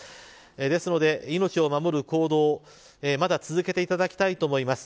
ですので、命を守る行動まだ続けていただきたいと思います。